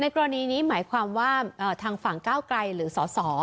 กรณีนี้หมายความว่าทางฝั่งก้าวไกลหรือสส